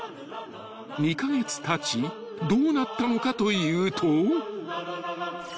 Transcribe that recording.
［２カ月たちどうなったのかというと］